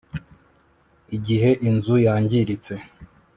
igihe inzu yangiritse